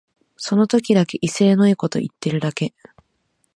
その時だけ威勢のいいこと言ってるだけ